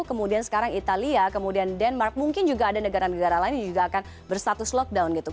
kemudian sekarang italia kemudian denmark mungkin juga ada negara negara lain yang juga akan berstatus lockdown gitu